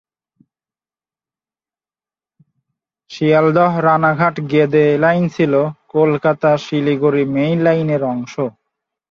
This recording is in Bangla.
শিয়ালদহ-রানাঘাট-গেদে লাইন ছিল কলকাতা-শিলিগুড়ি মেইন লাইনের অংশ।